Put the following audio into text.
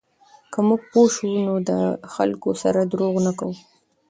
که موږ پوه شو، نو د خلکو سره درواغ نه کوو.